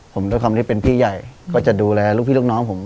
ผมด้วยความที่เป็นพี่ใหญ่ก็จะดูแลลูกพี่ลูกน้องผม